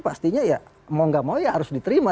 pastinya ya mau nggak mau ya harus diterima